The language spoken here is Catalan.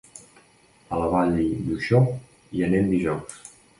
A la Vall d'Uixó hi anem dijous.